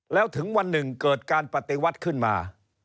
แล้วถึงวันหนึ่งเกิดการปฏิวัติขึ้นมา